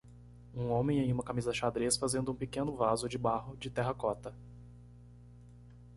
Um homem em uma camisa xadrez? fazendo um pequeno vaso de barro de terracota.